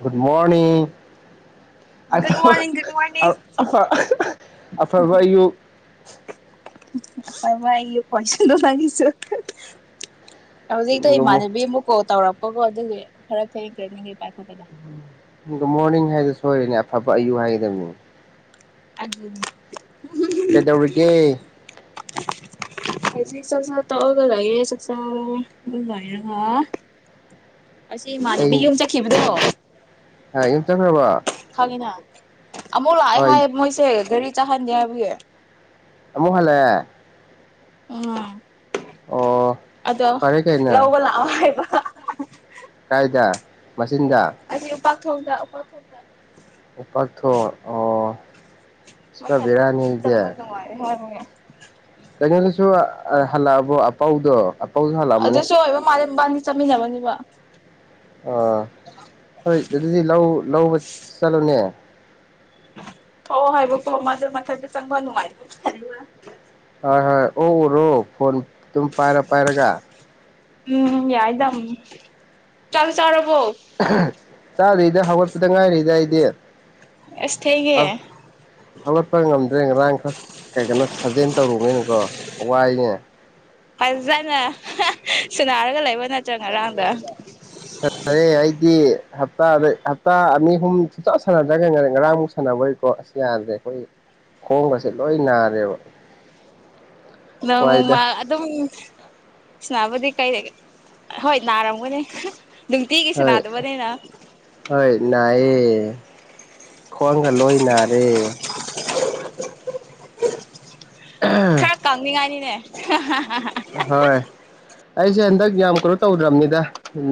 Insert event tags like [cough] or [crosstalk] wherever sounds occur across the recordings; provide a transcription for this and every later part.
Good morning. Good morning good [unintelligible] ꯑ morning ꯑꯐ ꯑꯐꯕ ꯑꯌꯨꯛ꯫ [unintelligible] ꯍꯧꯖꯤꯛꯇꯣ ꯒꯨꯗ ꯏꯃꯥꯟꯅꯕꯤ ꯑꯃ ꯀꯣꯜ ꯇꯧꯔꯛ ꯑꯧꯒ ꯑꯗꯨꯒꯤ ꯈꯔꯥ ꯊꯦꯡꯈ꯭ꯔꯦꯅꯦ ꯍꯩꯄ ꯍꯥꯕꯗ ꯑꯗꯨꯒ ꯃꯣꯔꯅꯤꯡ ꯍꯥꯏꯗꯨ ꯁꯣꯏꯔꯦꯅꯦ ꯑꯐꯕ ꯑꯌꯨꯛ ꯍꯥꯏꯒꯗꯕꯅꯤ꯫ ꯑꯗꯨꯅꯤ ꯀꯩꯗꯧꯔꯤꯒꯦ ꯑꯩꯁꯦ ꯆꯥꯛꯆꯥ ꯇꯣꯛꯑꯒ ꯂꯩꯌꯦ ꯆꯥꯛꯆꯥꯔ ꯂꯩꯔꯒ ꯑꯁꯤ ꯏꯃꯥꯟꯅꯕꯤ ꯌꯨꯝ ꯆꯠꯈꯤꯕꯗꯣ ꯏꯝ ꯆꯈꯕ ꯑ ꯑꯃꯨ ꯂꯥꯛꯑ ꯍꯥꯏ ꯃꯣꯏꯁꯦꯦꯔꯤ ꯆꯥꯍꯟꯒꯦ ꯍꯥꯏꯕꯒꯤ ꯑꯃꯨꯛ ꯈꯜꯂꯛꯑꯦ ꯎꯝ ꯑꯗꯣ ꯐꯔꯦ ꯀꯩꯅꯣ ꯂꯧꯕ ꯂꯥꯛꯑꯣ ꯍꯥꯏꯕ [inaudible] ꯐꯗ ꯃꯆꯤꯟꯗ ꯎꯄꯥꯊꯣꯡꯗ ꯎꯄꯥꯛꯊꯣꯡꯗ ꯎꯄꯥꯊꯣ ꯑꯣ ꯁꯤꯄꯥ ꯃꯊꯟꯗ ꯕꯤꯔꯅꯤꯗꯦ ꯆꯪꯕ ꯅꯨꯡꯉꯥꯏꯔꯦ ꯍꯥꯏꯕꯒꯤ ꯍꯜꯂꯛꯑꯕꯣ ꯑꯄꯥꯎꯗꯣ ꯑꯗ ꯁꯣ ꯑꯣꯏꯕ ꯃꯥ ꯕꯥꯅꯤ ꯆꯃꯤ ꯅꯕꯅꯤ ꯋꯥ ꯑ ꯍꯣꯏ ꯑꯗꯨꯗꯤ ꯂꯧ ꯂꯧꯕ ꯆꯠꯂꯨꯅꯦ ꯍ ꯍꯥꯏꯕꯨ ꯀꯣ ꯃꯥ ꯃꯊꯒꯤ ꯁꯒꯅꯅꯨꯡ ꯃꯥꯥꯏ ꯍꯣꯏ ꯍꯣꯏ ꯎ ꯎꯔꯣ ꯐꯣꯟ ꯑꯗꯨꯝ ꯄꯥꯏꯔ ꯄꯥꯏꯔꯒ ꯎꯝ ꯌꯥꯏꯗ ꯆꯂ ꯆꯔꯣ ꯆꯥꯗ꯭ꯔꯤꯗ ꯍꯧꯒꯠꯄꯗ ꯉꯥꯏꯔꯤꯗ ꯑꯩꯗꯤ ꯌꯦ ꯑꯁ ꯊꯦꯡꯉꯦ ꯍꯧꯒꯠꯄ ꯉꯝꯗ꯭ꯔꯦ ꯉꯔꯥꯡ ꯈꯔ ꯀꯩ ꯀꯅꯣ ꯁꯥꯖꯦꯜ ꯇꯧꯔꯨꯕꯅꯤꯅꯀꯣ ꯋꯥꯏꯅꯦ ꯐꯖꯅ ꯁꯨꯅꯥꯔꯒ ꯂꯩꯕ ꯅꯠꯇ꯭ꯔꯣ ꯉꯔꯥꯡꯗ ꯁꯥꯟꯅꯔꯦ ꯑꯩꯗꯤ ꯍꯞꯇꯥꯗ ꯍꯞꯇꯥ ꯑꯅꯤ ꯑꯍꯨꯝ ꯁꯆ ꯁꯥꯟꯅꯗ꯭ꯔꯒ ꯉ ꯉꯔꯥꯡꯃꯨꯛ ꯁꯥꯟꯅꯕꯣꯏꯀꯣ ꯑꯁ ꯌꯥꯗ꯭ꯔꯦ ꯑꯩꯈꯣꯏ ꯈꯣꯡꯕꯁꯦ ꯂꯣꯏ ꯅꯥꯔꯦꯕ ꯋꯥꯏꯗ ꯅꯪꯃ ꯑꯗꯨꯝ ꯁꯤꯅꯥꯕꯨꯗꯤ ꯀꯩ ꯍꯣꯏ ꯅꯥꯔꯝꯒꯅꯦ ꯍꯣꯏ ꯍꯣꯏ ꯅꯑꯌꯦ ꯈꯣꯡꯒ ꯂꯣꯏ ꯅꯥꯔꯦ ꯈꯔ ꯀꯪꯅꯤꯡꯉꯥꯏꯅꯤꯅꯦ ꯍ ꯍꯥꯥ ꯍꯣꯏ ꯑꯩꯁꯦ ꯍꯟꯗꯛ ꯌꯥꯝ ꯀꯩꯅꯣ ꯇꯧꯗ꯭ꯔꯕꯅꯤꯗ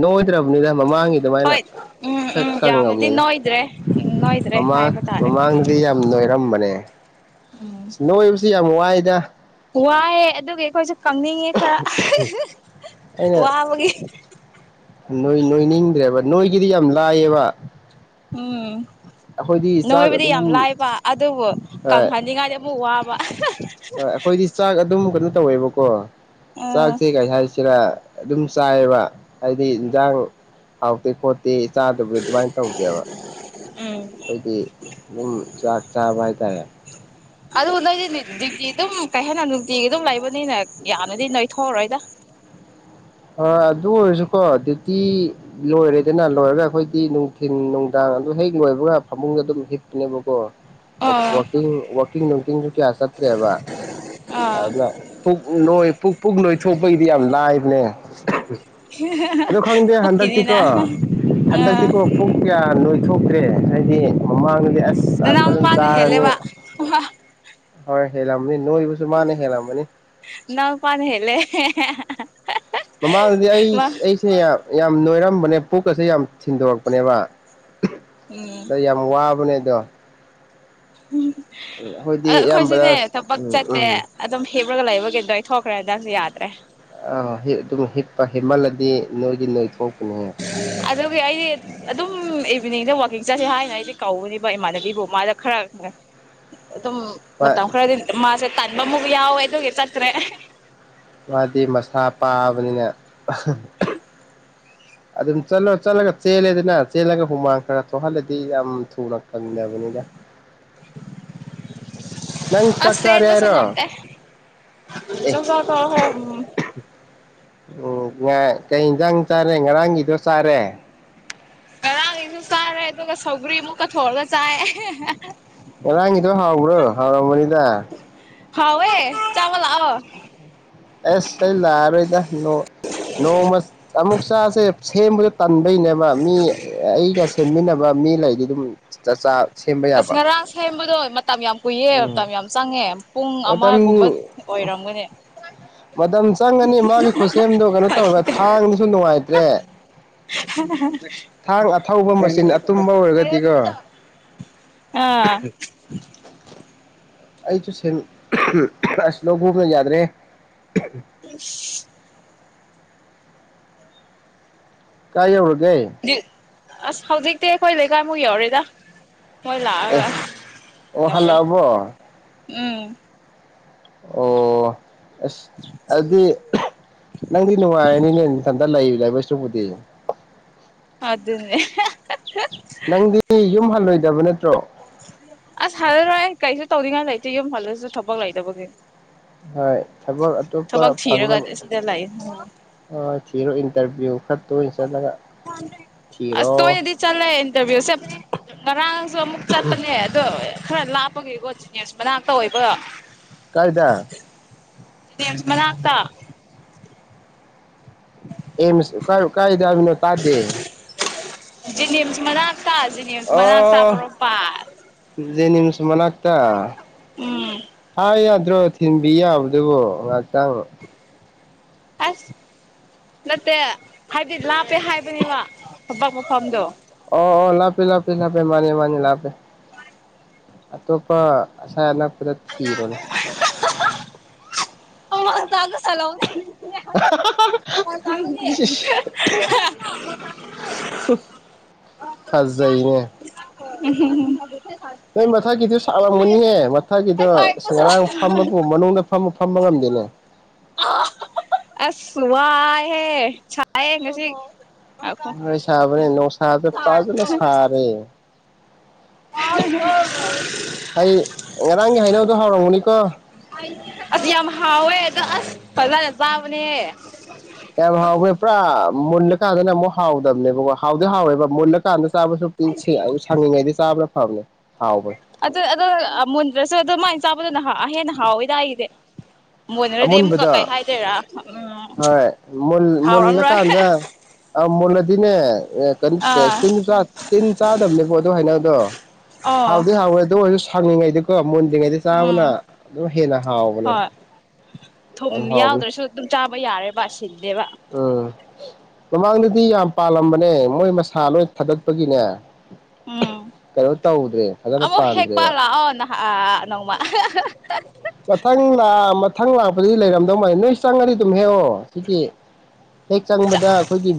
ꯅꯣꯏꯗ꯭ꯔꯕꯅꯤꯗ ꯃꯃꯥꯡꯒꯤ ꯑꯗꯨꯃꯥꯏꯅ ꯍꯣꯏ ꯎꯝ ꯈꯔ ꯎꯝ ꯌꯥꯝꯅꯗꯤ ꯀꯪꯉꯕꯅꯤꯗ ꯅꯣꯏꯗ꯭ꯔꯦ ꯎꯝ ꯅꯣꯏꯗ꯭ꯔꯦ ꯃꯃꯥꯡ ꯍꯥꯏꯕ ꯇꯥꯔꯦ ꯃꯃꯥꯡꯗꯗꯤ ꯌꯥꯝ ꯅꯣꯏꯔ ꯀꯝ ꯃꯅꯦ ꯅꯧ ꯁꯤ ꯌꯥꯝ ꯃꯣ ꯍꯥꯏꯗ ꯋꯥꯍꯦ ꯑꯗꯨ ꯀꯣꯏꯁꯨ ꯈꯪꯅꯤꯡꯉꯦ ꯈꯔ ꯑꯩꯅ ꯋꯥꯕꯒꯤ ꯅꯣꯏ ꯅꯣꯏ ꯅꯤꯡꯗ꯭ꯔꯦꯕ ꯅꯣꯏꯒꯤꯗꯤ ꯌꯥꯝ ꯂꯥꯏꯌꯦꯕ ꯎꯝ ꯑꯩꯈꯣꯏꯗꯤ ꯆꯥꯛ ꯅꯣꯏꯕꯨꯗꯤ ꯌꯥꯝ ꯑꯗꯨꯝ ꯂꯥꯏꯕ ꯑꯗꯨꯕꯨ ꯀꯪꯍꯟꯅꯤꯡꯉꯥꯏꯗꯤ ꯑꯃꯨꯛ ꯋꯥꯕ ꯋꯥ ꯍ ꯑꯩꯈꯣꯏꯗꯤ ꯆ ꯑꯗꯨꯝ ꯀꯩꯅꯣ ꯇꯧꯋꯦꯕꯀꯣ ꯆꯥꯛ ꯑꯥ ꯊ ꯀ ꯍꯥꯏ ꯁꯤꯔ ꯑꯗꯨꯝ ꯆꯥꯏꯑꯕ ꯍꯥꯏꯗꯤ ꯌꯦꯟꯖꯥꯡ ꯍꯥꯎꯇꯦ ꯈꯣꯠꯇꯦ ꯗꯦ ꯆꯥꯗꯕꯗꯣ ꯑꯗꯨꯃꯥꯏꯅ ꯇꯧꯗꯦꯕ ꯎꯝ ꯑꯩꯈꯣꯏꯗꯤ ꯑꯗꯨꯝ ꯆꯥꯛ ꯆꯥꯕ ꯍꯥꯏꯇꯥꯔꯦ ꯑꯗꯨ ꯅꯣꯏꯗꯤ ꯅꯨꯡꯇꯤ ꯑꯗꯨꯝ ꯀꯩ ꯍꯥꯏꯦꯟꯅ ꯅꯨꯡꯇꯤꯒꯤ ꯑꯗꯨꯝ ꯂꯩꯕꯅꯤꯅ ꯌꯥꯅꯗꯤ ꯅꯣꯏ ꯊꯣꯛꯑꯔꯣꯏꯗ ꯑ ꯑꯗꯨ ꯑꯣꯏꯔꯁꯨꯀꯣ ꯗ꯭ꯌꯨꯇꯤ ꯂꯣꯏꯔꯦꯗꯅ ꯂꯣꯏꯔꯒ ꯑꯩꯈꯣꯏꯗꯤ ꯅꯨꯡꯊꯤꯤꯟ ꯅꯨꯡꯗꯥꯡ ꯑꯗꯨ ꯍꯦꯛ ꯂꯣꯏꯕꯒ ꯐꯃꯨꯡꯗ ꯑꯗꯨꯝ ꯍꯤꯞꯄꯅꯦꯕꯀꯣ ꯑꯣ ꯋꯥꯀꯤ ꯋꯥꯀꯤ ꯅ ꯇꯤꯟꯖꯨꯀꯤꯌꯥꯁꯇ꯭ꯔꯦ ꯍꯥꯏꯕ ꯑꯥ ꯑꯗꯨꯗ ꯐ ꯂꯣꯏꯣꯏ ꯄꯨꯛ ꯄꯨꯛ ꯂꯣꯏꯊꯣꯛꯄꯒꯤꯗꯤ ꯌꯥꯝ ꯂꯥꯏꯕꯅꯦ ꯎꯝ ꯑ ꯈꯪꯗꯦ ꯄꯨꯛꯀꯤꯅꯤꯅ ꯍꯟꯗꯛꯇꯤꯀꯣ ꯑꯥ ꯍꯟꯗꯛꯇꯤꯀꯣ ꯄꯨꯡ ꯀꯌꯥ ꯊꯣꯛꯇ꯭ꯔꯦ ꯍꯥꯏꯗꯤ ꯃꯥꯡꯦ ꯅ ꯄꯅꯦ ꯍꯦꯂꯦ ꯋꯥ ꯋꯥ ꯍ ꯍꯦ ꯂꯥ ꯅ ꯀꯥꯟ ꯍꯦ ꯃꯃꯥꯡꯗꯗꯤ ꯑꯩ ꯑꯩꯁꯦ ꯌꯥꯝ ꯅꯣꯏꯔꯝ ꯑꯝꯕꯅꯦ ꯄꯨꯛꯀꯁꯦ ꯌꯥꯝ ꯊꯤꯟꯗꯣꯔꯛꯄꯅꯦꯕ ꯎꯝ ꯑꯗꯩ ꯌꯥꯝ ꯋꯥꯕꯅꯦ ꯗꯣꯡ ꯍꫭꯏꯗꯤ ꯑꯗꯣ ꯑꯌꯥꯝꯕꯅ ꯎꯝ ꯎꯝ ꯀꯂꯒ ꯂꯩꯕꯒꯤꯗꯣ ꯑꯩ ꯊꯣꯛꯈ꯭ꯔꯦ ꯑꯗꯨꯗꯁꯨ ꯌꯥꯗ꯭ꯔꯦ ꯑ ꯑꯗꯨꯝ ꯍꯤꯞꯄ ꯍꯤꯞꯃꯜꯂꯗꯤ ꯅꯣꯏꯗꯤ ꯅꯣꯏ ꯊꯣꯛꯄꯅꯦ ꯑꯗꯨꯒꯤ ꯑꯩꯗꯤ ꯑꯗꯨꯝ ꯏꯚꯤꯅꯤꯡꯗ ꯋꯥꯋꯥꯛꯀꯤꯡ ꯆꯠꯁꯦ ꯍꯥꯏꯅ ꯑꯩꯗꯤ ꯀꯧꯕꯅꯦꯕ ꯏꯃꯥꯟꯅꯕꯤꯕꯨ ꯃꯥꯗ ꯈꯔ ꯑꯗꯨꯝ ꯍꯣꯏ ꯃꯇꯝ ꯈꯔꯗꯤ ꯃꯥꯁꯠ ꯀꯟꯕ ꯃꯨꯒ ꯌꯥꯎ ꯏꯗꯣꯦ ꯇꯔꯇ꯭ꯔꯦ ꯃꯥꯗꯤ ꯃꯁꯥ ꯄꯥꯕꯅꯤꯅ ꯑꯁꯨꯝ ꯑꯗꯨꯝ ꯆꯠꯂ ꯆꯠꯂꯒ ꯆꯦꯜꯂꯦꯗꯅ ꯆꯦꯜꯂꯒ ꯍꯨꯃꯥꯡ ꯈꯔ ꯊꯣꯛꯍꯜꯂꯗꯤ ꯌꯥꯝ ꯊꯨꯅꯄꯝꯗꯕꯅꯤꯅ ꯑꯁ ꯅꯁꯨ ꯉꯝ ꯇ ꯑꯦ ꯆ ꯍ ꯎꯝ ꯉ ꯀꯩ ꯌꯦꯟꯖꯥꯡ ꯆꯥꯔꯦ ꯉꯔꯥꯡꯒꯤꯗꯣ ꯆꯥꯔꯦ ꯑꯔꯥꯡꯁꯨ ꯀꯥꯔꯦ ꯇ ꯀ ꯁꯒꯔꯤ ꯃꯨꯀ ꯊꯣꯔ ꯆꯥꯥꯏ ꯉꯔꯥꯡꯒꯤꯗꯣ ꯍꯥꯎꯕ꯭ꯔꯣ ꯍꯥꯎꯔꯝꯕꯅꯤꯗ ꯍꯥꯎꯦ ꯆꯥꯕꯜ ꯑ ꯑꯁ ꯑꯩ ꯂꯥꯛꯑꯔꯣꯏꯗ ꯅꯣꯡꯃ ꯑꯃꯨꯛ ꯆꯥꯁꯦ ꯁꯦꯝꯕꯗ ꯄꯨꯟꯕꯅꯦꯕ ꯃꯤ ꯑꯩꯒꯁꯤ ꯁꯦꯝꯃꯤꯟꯅꯕ ꯃꯤ ꯂꯩꯗꯤ ꯑꯗꯨꯝ ꯆꯥꯛꯆꯥ ꯁꯦꯝꯕ ꯌꯥꯕ ꯁꯃ ꯔꯥꯁ ꯍꯗꯨ ꯑꯣꯏ ꯇ ꯌꯥꯝ ꯀꯨꯏꯌꯦ ꯎꯝ ꯇ ꯌꯥꯝ ꯆꯪꯉꯦ ꯄꯨꯡ ꯃꯇꯝ ꯑꯃꯒꯨꯝꯕ ꯑꯣꯏꯔꯝꯒꯅꯤ ꯃꯇꯝ ꯆꯪꯒꯅꯤ ꯃꯥꯒꯤ ꯈꯨꯠꯁꯦꯝꯗꯣ ꯀꯩꯅꯣ ꯇꯧꯋꯦꯕ ꯊꯥꯡꯗꯨꯁꯨ ꯅꯨꯡꯉꯥꯏꯇ꯭ꯔꯦ ꯊꯥꯡ ꯑꯊꯧꯕ ꯃꯆꯤꯟ ꯑꯇꯨꯝꯕ ꯑꯣꯏꯔꯒꯗꯤꯀꯣ ꯑꯥ ꯑꯩꯁꯨ ꯁ ꯑꯁ ꯂꯣꯛ ꯍꯨꯝꯅ ꯌꯥꯗ꯭ꯔꯦ ꯑ ꯀꯥꯏ ꯌꯥꯕ ꯄ꯭ꯂꯦ ꯑꯁ ꯍꯧꯖꯤꯛꯇꯤ ꯑꯩꯈꯣꯏ ꯂꯩꯀꯥꯏꯃꯨꯛ ꯌꯧꯔꯤꯦꯗ ꯑꯦ ꯑꯣ ꯍꯥꯟꯕꯣ ꯎꯝ ꯑꯣ ꯑꯁ ꯑꯗꯨꯗꯤ ꯅꯪꯗꯤ ꯅꯨꯡꯉꯥꯏꯔꯅꯤꯅꯦ ꯏꯊꯟꯇ ꯂꯩ ꯂꯕꯁ ꯄꯨꯗꯤꯦ ꯑꯗꯨꯗꯅꯦ ꯅꯪꯗꯤ ꯌꯨꯝ ꯍꯜꯂꯣꯏꯗꯕ ꯅꯠꯇ꯭ꯔꯣ ꯇ ꯌꯦꯝ ꯐꯜꯁꯦꯁ ꯊꯄꯛ ꯂ ꯂꯩꯏꯗꯕꯒ ꯍꯣꯏ ꯊꯕꯛ ꯑꯇꯣꯞꯄ ꯐꯪꯅꯕ ꯊꯤꯔꯒ ꯁꯤꯗ ꯂꯩ ꯍ ꯊꯤꯔꯣ ꯏꯟꯇꯔꯚꯤꯌꯨ ꯈꯔ ꯇꯣꯏꯅ ꯆꯠꯂꯒ ꯊꯤꯔꯣ ꯇꯁꯦ ꯉꯔꯥꯡꯁꯨ ꯑꯃꯨꯛ ꯆꯠꯄꯅꯦ ꯑꯗꯣ ꯈꯔ ꯂꯥꯞꯄꯒꯤꯀꯣ ꯖꯤꯅꯤꯁ ꯃꯅꯥꯛꯇ ꯑꯣꯏꯕꯣ ꯀꯥꯏꯗ ꯃꯅꯥꯀ ꯑꯦꯝꯁ ꯑꯣꯀꯥꯏ ꯑꯣꯀꯥꯏꯗꯕꯅꯣ ꯇꯥꯔꯗꯤ ꯖꯤꯅꯤꯝꯁ ꯃꯅꯥꯛ ꯖꯤꯅꯤꯝꯁ ꯃꯅꯥꯛꯇ ꯑꯣ ꯄꯣꯔꯣꯝꯄꯥꯠ ꯖꯦꯅꯤꯝꯁ ꯃꯅꯥꯛꯇ ꯎꯝ ꯍ ꯌꯥ ꯊꯤꯟꯕꯤ ꯌꯥꯕꯗꯨꯕꯨ ꯉꯥꯏꯍꯥꯛꯇꯥꯡ ꯑꯁ ꯅꯠꯇꯦ ꯍꯥꯏꯗꯤ ꯂꯥꯞꯄꯦ ꯍꯥꯏꯕꯅꯦꯕ ꯊꯕꯛ ꯃꯐꯝꯗꯣ ꯑꯣ ꯑꯣ ꯂꯥꯞꯄꯦ ꯂꯥꯞꯄꯦ ꯂꯥꯞꯄꯦ ꯃꯥꯅꯤ ꯃꯥꯅꯤ ꯂꯥꯞꯄꯦ ꯑꯇꯣꯞꯄ ꯑꯁꯥꯏ ꯊꯤꯔꯣꯅꯦ [inaudible] [inaudible] [inaudible] ꯁꯤꯁ ꯐꯖꯩꯅꯦ ꯎꯝ ꯍꯨꯝ ꯅꯣꯏ ꯃꯊꯛꯀꯤꯗꯨ ꯁꯥꯔꯝꯒꯅꯤꯍꯦ ꯃꯊꯛꯀꯤꯗꯣ ꯉꯔꯥꯡ ꯐꯝꯕꯕꯨ ꯃꯅꯨꯡꯗ ꯐꯝꯃ ꯐꯝꯕ ꯉꯝꯗꯅꯦ ꯍꯦ ꯁꯥꯏꯍꯦ ꯉꯁꯤ ꯍꯣꯏ ꯁꯥꯕꯅꯦ ꯅꯨꯡꯁꯥꯁꯨ ꯐꯖꯅ ꯁꯥꯔꯦ ꯍꯩ ꯉꯔꯥꯡꯒꯤ ꯍꯩꯅꯧꯗꯣ ꯍꯥꯎꯔꯝꯒꯅꯤꯀꯣ ꯑꯁ ꯌꯥꯝ ꯍꯥꯎꯋꯗ ꯑ ꯐꯖꯅ ꯆꯥꯕꯅꯦ ꯌꯥꯝ ꯍꯥꯎꯋꯤ ꯄꯨꯔꯥ ꯃꯨꯜꯂꯀꯥꯟꯗꯅ ꯑꯃꯨꯛ ꯍꯥꯎꯗꯕꯅꯦꯕꯀꯣ ꯍꯥꯎꯗꯤ ꯍꯥꯎꯋꯦꯕ ꯃꯨꯜꯂꯀꯥꯟꯗ ꯆꯥꯕꯁꯨ ꯁꯡꯉꯤꯉꯩꯗꯤ ꯆꯥꯕ [unintelligible] ꯑꯗ ꯑꯗꯨꯒ ꯃꯨꯟꯗꯔ꯭ꯁꯨ ꯑꯗꯨꯃꯥꯏ ꯆꯥꯕꯗꯨꯅ ꯍꯥ ꯍꯦꯟꯅ ꯍꯥꯎꯑꯣꯋꯗꯦ ꯑꯃꯨꯟꯕꯗꯣ ꯎꯝ ꯍꯣꯏ ꯍꯥꯎꯔꯝꯔꯣꯏ ꯃꯨꯜꯂꯀꯥꯟꯗ ꯃꯨꯜꯂꯀꯥꯟꯗ ꯏꯟꯅ ꯑꯦ ꯑꯥ ꯀꯩꯅꯣ ꯇꯤꯟ ꯆꯥꯗꯕꯅꯦꯕꯣ ꯑꯗꯨ ꯍꯥꯏꯩꯅꯗꯣ ꯑꯣ ꯍꯥꯎꯗꯤ ꯍꯥꯎꯋꯦ ꯑꯗꯨ ꯑꯣꯏꯔꯁꯨ ꯁꯡꯅꯤꯡꯉꯩꯗꯨ ꯀꯣ ꯃꯨꯟꯗ꯭ꯔꯤꯉꯩꯗ ꯆꯥꯕꯅ ꯎꯝ ꯑꯗꯨꯝ ꯍꯦꯟꯅ ꯍꯥꯎꯕꯅꯦ ꯍꯣꯏ ꯊꯨꯝ ꯌꯥꯝ ꯍꯥꯎꯕꯅꯦ ꯌꯥꯎꯗ꯭ꯔꯁꯨ ꯑꯗꯨꯝ ꯆꯥꯕ ꯌꯥꯔꯦꯕ ꯁꯤꯟꯗꯦꯕ ꯎꯝ ꯃꯃꯥꯡꯗꯗꯤ ꯌꯥꯝ ꯄꯥꯜꯂꯝꯕꯅꯦ ꯃꯣꯏ ꯃꯁꯥ ꯂꯣꯏ ꯊꯥꯗꯠꯄꯒꯤꯅꯦ ꯎꯝ ꯀꯩꯅꯣ ꯇꯧꯗ꯭ꯔꯦ ꯐꯖꯅ ꯑꯃꯣ ꯍꯦꯛꯦꯛꯄ ꯄꯥꯟꯗ꯭ꯔꯦꯕ ꯂꯥꯛꯑꯣ ꯅꯣꯡꯃ ꯃꯊꯪ ꯂꯥ ꯃꯊꯪ ꯂꯥꯛꯄꯗꯗꯤ ꯂꯩꯔꯝꯗꯧ ꯃꯥꯜꯜꯂꯤ ꯅꯣꯏ ꯆꯪꯉꯗꯤ ꯑꯗꯨꯝ ꯍꯦꯛꯑꯣ ꯁꯤꯒꯤ ꯍꯦꯛ ꯆꯪꯕꯗ ꯑꯩꯈꯣꯏꯒꯤ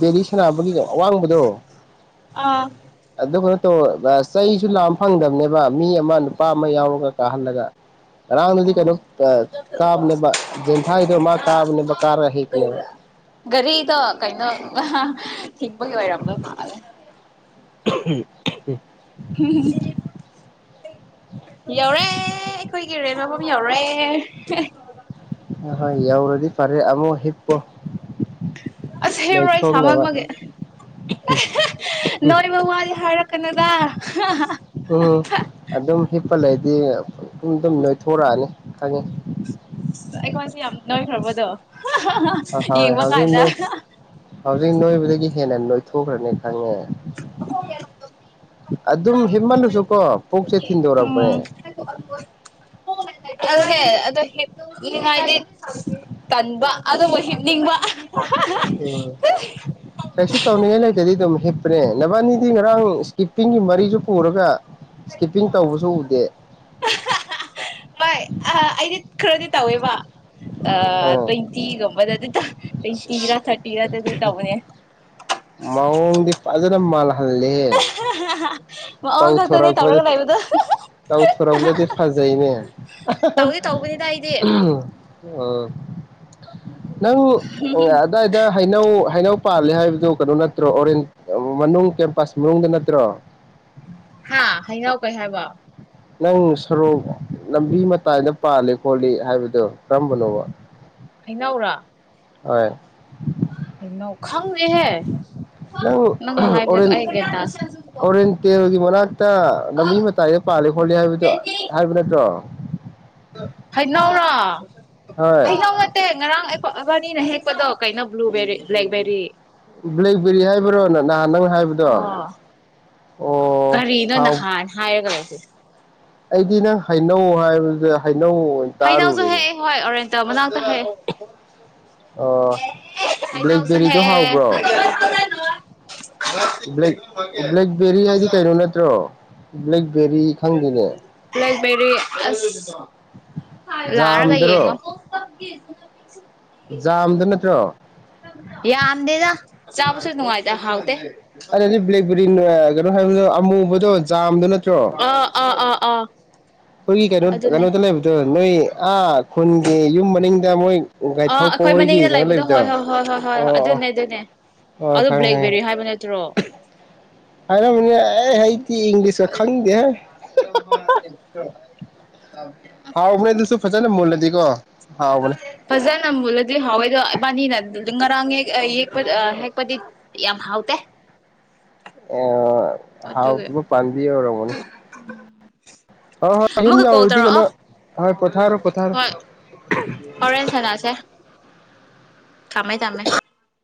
ꯕꯦꯂꯤ ꯁꯅꯕꯒꯤ ꯑꯋꯥꯡꯕꯗꯣ ꯑꯥ ꯑꯗꯨꯩꯅꯣ ꯆꯩꯁꯨ ꯂꯥꯝ ꯐꯪꯗꯕꯅꯦꯕ ꯃꯤ ꯑꯃ ꯅꯨꯄꯥ ꯑꯃ ꯌꯥꯎꯔꯒ ꯄꯥꯍꯜꯂꯒ ꯑꯣ ꯀꯥꯕꯅꯦꯕ ꯖꯦꯟꯊꯥꯏꯗꯣ ꯃꯥ ꯀꯥꯕꯅꯦꯕ ꯀꯥꯔꯒ ꯍꯤꯛꯄꯅꯦꯕ ꯒꯔꯤꯗ ꯀꯩꯅꫭ ꯍꯤꯛꯄꯒꯤ ꯑꯣꯏꯔꯝꯕ ꯃꯥꯜꯂꯦ꯫ [unintelligible] ꯎꯝ ꯌꯧꯔꯦ ꯑꯩꯈꯣꯏꯒꯤ ꯔꯦꯅꫭ ꯌꯩꯔꯦ ꯍꫭ ꯍꫭꯏ ꯌꯧꯔꯗꯤ ꯐꯔꯦ ꯑꯃꯨꯛ ꯍꯤꯞꯄꯣ ꯑꯁ ꯍꯤꯞꯔꯣꯏ ꯁꯥꯃꯟꯕꯒꯤ ꯅꯣꯏꯊꯣꯛꯅꯕ ꯅꯣꯏ ꯃ ꯋꯥꯗꯤ ꯍꯥꯏꯔꯛꯀꯅꯨꯗ꯫ ꯑꯦ ꯑꯗꯨꯝ ꯑꯗꯨꯝ ꯅꯣꯏꯊꯣꯔꯛꯑꯅꯤ꯫ ꯈꯪꯏ ꯑꯩꯈꯣꯏꯁꯦ ꯌꯥꯝ ꯅꯣꯏꯈ꯭ꯔꯕꯗꯣ꯫ ꯍꯣꯏ ꯌꯦꯡꯕ ꯍꯧꯖꯤꯛ ꯀꯥꯟꯗ ꯅꯣꯏ ꯍꯧꯖꯤꯛ ꯅꯣꯏꯕꯗꯒꯤ ꯍꯦꯟꯅ ꯅꯣꯏꯊꯣꯛꯈ꯭ꯔꯅꯤ꯫ ꯈꯪꯉꯦ ꯑꯗꯨꯝ ꯍꯤꯞꯜꯂꯁꯨ ꯀꯣ ꯄꯨꯛꯁꯦ ꯊꯤꯟꯗꯣꯔꯛꯄꯅꯦ꯫ ꯎꯝ ꯑꯗꯨꯅꯦ [unintelligible] ꯇꯟꯕ ꯑꯗꯨꯕꯨ ꯍꯤꯞꯅꯤꯡꯕ꯫ ꯎꯝ ꯀꯩꯁꯨ ꯇꯧꯅꯤꯡꯉꯥꯏ ꯂꯩꯇꯗꯤ ꯑꯗꯨꯝ ꯍꯤꯞꯄꯅꯦ ꯅꯕꯥꯅꯤꯗꯤ ꯉꯔꯥꯡ ꯏꯁꯀꯤꯞꯄꯤꯡꯒꯤ ꯃꯔꯤꯁꯨ ꯄꯨꯔꯒ ꯏꯁꯀꯤꯞꯄꯤꯡ ꯇꯧꯕꯁꯨ ꯎꯗꯦ꯫ ꯍꯣꯏ ꯑꯩꯗꯤ ꯈꯔꯗꯤ ꯇꯧꯋꯦꯕ꯫ ꯑ ꯑꯥ ꯇ꯭ꯋꯦꯟꯇꯤꯒꯨꯝꯕꯗꯗꯤ ꯇꯧ ꯇꯨꯂꯦꯟꯇꯤꯔꯥ ꯊꯔꯇꯤꯔꯥꯗꯗꯤ ꯇꯧꯕꯅꯦ꯫ ꯃꫭꯡꯗꯤ ꯐꯖꯅ ꯃꯥꯜꯍꯜ ꯍꯜꯂꯦ ꯃꯑꯣꯡ ꯈꯛꯇꯅꯦ ꯇꯧꯊꯣꯔꯛꯄꯗ ꯇꯧꯔꯒ ꯂꯩꯕꯗꯣ ꯇꯧꯊꯣꯔꯛꯄꯗꯗꯤ ꯐꯖꯩꯅꯦ ꯇꯧꯗꯤ ꯇꯧꯕꯅꯤꯗ ꯑꯩꯗꯤ ꯑꯍꯍ ꯑꫭ꯫ ꯅꯪ ꯑꯗꯥꯏꯗ ꯍꯩꯅꯧ ꯍꯩꯅꯧ ꯄꯥꯜꯂꯦ ꯍꯥꯏꯕꯗꯨ ꯀꯩꯅꯣ ꯅꯠꯇ꯭ꯔꯣ ꯑꯣꯔꯦꯟ ꯃꯅꯨꯡ ꯀꯦꯝ ꯄꯥꯁ ꯃꯅꯨꯡꯗ ꯅꯠꯇ꯭ꯔꯣ ꯍꯥ ꯍꯩꯅꯥꯎ ꯀꯩ ꯍꯥꯏꯕ ꯅꯪ ꯁꯣꯔꯣꯛ ꯂꯝꯕꯤ ꯃꯇꯥꯏꯗ ꯄꯥꯜꯂꯤ ꯈꯣꯠꯂꯤ ꯍꯥꯏꯕꯗꯣ ꯀꯔꯝꯕꯅꯣꯕ꯫ ꯍꯩꯅꯧꯔꯥ꯫ ꯍꯣꯏ ꯍꯩꯅꯧ ꯈꯪꯗꯦꯍꯦ ꯅꯪ ꯅꯪꯅ ꯍꯥꯏꯕꯁꯦ ꯑꯣꯔꯦꯟ ꯑꯩ ꯒ꯭ꯌꯥꯟ ꯇꯥꯗꯦ ꯑꯣꯔꯦꯟ ꯇꯦꯜꯒꯤ ꯃꯅꯥꯛꯇꯥ ꯂꯝꯕꯤ ꯃꯇꯥꯏꯗ ꯄꯥꯜꯂꯤ ꯈꯣꯠꯂꯤ ꯍꯥꯏꯕꯗꯨ ꯍꯥꯏꯕ ꯅꯠꯇ꯭ꯔꯣ ꯍꯩꯅꯧꯔꯣ ꯍꯣꯏ ꯍꯩꯩꯅꯧ ꯅꯠꯇꯦ ꯉꯔꯥꯡ ꯑꯕꯥꯅꯤꯅ ꯍꯦꯛꯄꯗꯣ ꯀꯩꯅꯣ ꯕ꯭ꯂꯨꯕꯦꯔꯤ ꯕ꯭ꯂꯦꯛꯕꯦꯔꯤ ꯕ꯭ꯂꯦꯛꯕꯦꯔꯤ ꯍꯥꯏꯕ꯭ꯔꯣ ꯅꯍꯥꯟ ꯅꯪ ꯑꯣ ꯀꯔꯤꯅꯣ ꯍꯥꯎ ꯅꯍꯥꯟ ꯍꯥꯏꯒꯔꯦ [inaudible] ꯑꯩꯗꯤ ꯅꯪ ꯍꯩꯅꯧ ꯍꯥꯏꯕꯗꯨꯗ ꯍꯩ ꯅꯣ ꯑꯣꯏꯅꯥ ꯇꯥꯔꯨꯨꯔꯦꯅꯦ ꯇ ꯃꯅꯥ ꯇ ꯍꯦ ꯑꯣ ꯕ꯭ꯂꯦꯛ ꯍꯩꯅꯧꯁꯨ ꯕꯦꯔꯤꯗꯣ ꯍꯦꯛꯑꯦ ꯍꯥꯎꯕꯔꯣ ꯕ꯭ꯂꯦꯛ ꯕꯦꯔꯤ ꯍꯥꯏꯗꯤ ꯀꯩꯅꯣ ꯅꯠꯇ꯭ꯔꯣ ꯂꯩ ꯕꯦꯔꯤ ꯈꯪꯗꯤꯅꯦ ꯄꯦꯔꯤ ꯑꯁ ꯂꯥꯔꯒ ꯖꯥꯝꯗꯔꯣ ꯌꯦꯡꯉꯣ ꯖꯥꯝꯗꯣ ꯅꯠꯇ꯭ꯔꯣ ꯌꯥꯝꯗꯦꯗ ꯆꯥꯕꯁꯨ ꯅꯉꯥꯏꯗꯥ ꯍꯥꯎꯇꯦ ꯑꯗꯨꯗꯤ ꯕꯂꯦꯛꯕꯔꯤ ꯀꯩꯅꯣ ꯍꯥꯏꯕꯗꯣ ꯑꯃꯨꯕꯗꯣ ꯖꯥꯝꯗꯨꯅ ꯖꯥꯝ ꯆꯣ ꯑꯥ ꯑꯥ ꯑꯥ ꯑꯥ ꯑꯩꯈꯣꯏꯒꯤ ꯀꯩꯅꯣ ꯑꯗꯨꯅꯦ ꯀꯩꯅꯣꯗ ꯂꯩꯕꯗꯣ ꯅꯣꯏ ꯑꯥ ꯈꯨꯟꯒꯤ ꯌꯨꯝ ꯃꯅꯤꯡ ꯇꯃꯣꯏ ꯑ ꯑꯩꯈꯣꯏ ꯃꯅꯤꯡꯗ ꯂꯩꯕꯗꯣ ꯍꯣꯏ ꯍꯣꯏ ꯍꯣꯏ ꯍꯣꯏ ꯍꯣꯏ ꯍꯣꯏ ꯑꯣ ꯑꯣ ꯑꯗꯨꯅꯦ ꯑꯗꯨꯅꯦ ꯑꯣ ꯑꯗꯨ ꯈꯪꯉꯦ ꯕ꯭ꯂꯦꯛꯕꯦꯔꯤ ꯍꯥꯏꯕ ꯅꯠꯇ꯭ꯔꯣ [inaudible] ꯑꯅꯧꯅꯤ ꯑꯦ ꯍꯩ ꯑꯩ ꯔꯝꯕ [unintelligible] ꯑ ꯍꯥꯎꯕꯅꯦ ꯑꯗꯨꯁꯨ ꯐꯖꯅ ꯃꯨꯜꯂꯗꯤ ꯐꯖꯅꯥ ꯃꯨꯜꯂꯥꯗꯤ ꯍꯥꯎꯋꯦꯗꯣ ꯑꯕꯥꯅꯤꯅ ꯉꯔꯥꯡ ꯌꯦꯛ ꯑꯥ ꯌꯦꯛꯄ ꯑꯥ ꯍꯦꯛꯄꯗꯤ ꯌꯥꯝ ꯍꯥꯎꯇꯦ ꯑꯣ ꯑꯗꯨ ꯍꯣꯏ ꯍꯣꯏ ꯌꯨꯝ ꯑꯃꯨꯛꯀꯥ ꯀꯣꯜ ꯌꯧꯔꯗꯤ ꯀꯩꯅꯣ ꯇꯧꯔꯛꯑꯣ ꯍꯣꯏ ꯄꯣꯊꯥꯔꯣ ꯄꯣꯊꯥꯔꯣ ꯍꯣꯏ ꯑꯣꯔꯦꯟ ꯁꯥꯅꯥꯁꯦ ꯊꯃꯦ ꯇꯃꯦ